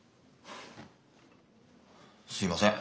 すいません。